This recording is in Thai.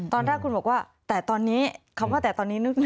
ตอนแรกคุณบอกว่าแต่ตอนนี้คำว่าแต่ตอนนี้นึก